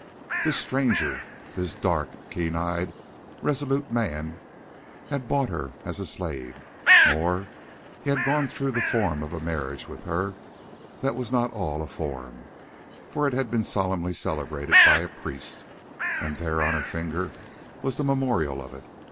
This stranger, this dark, keen eyed, resolute man had bought her as a slave; more, he had gone through a form of marriage with her that was not all a form, for it had been solemnly celebrated by a priest, and there on her finger was the memorial of it.